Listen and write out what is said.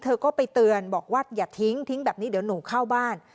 เธอก็ไปเตือนบอกว่าอย่าทิ้งทิ้งแบบนี้เดี๋ยวหนูเข้าบ้าน